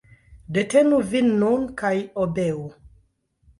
Detenu vin nun kaj obeu.